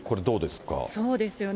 そうですよね。